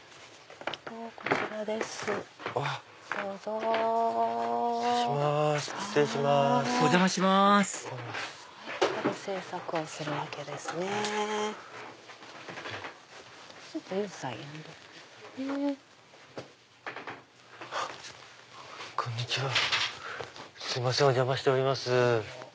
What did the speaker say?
こんにちはすいませんお邪魔しております。